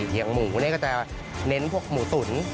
อย่างหมูนี่ก็จะเน้นพวกหมูตุ๋น